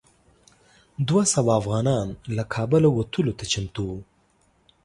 دوه سوه افغانان له کابله وتلو ته چمتو وو.